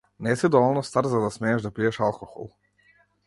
Не си доволно стар за да смееш да пиеш алкохол.